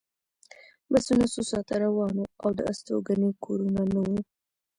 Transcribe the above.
بسونه څو ساعته روان وو او د استوګنې کورونه نه وو